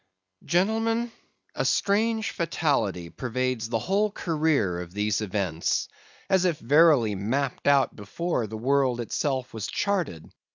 Gentlemen, a strange fatality pervades the whole career of these events, as if verily mapped out before the world itself was charted.